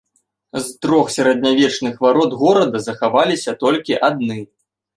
З трох сярэднявечных варот горада захаваліся толькі адны.